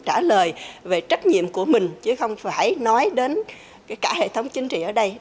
trả lời về trách nhiệm của mình chứ không phải nói đến cả hệ thống chính trị ở đây